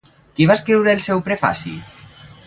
Qui va escriure el seu prefaci?